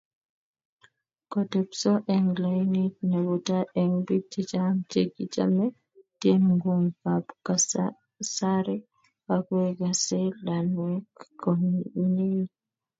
Kotepso eng lainit nebo tai eng biik chechang chegichame tyenwogikab kasari agoigaasei lainwek komnyei